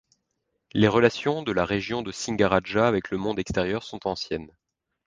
Les relations de la région de Singaraja avec le monde extérieur sont anciennes.